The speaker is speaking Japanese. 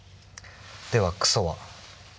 では「クソ」は？